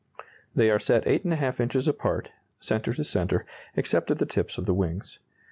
They are set 8½ inches apart (centre to centre), except at the tips of the wings.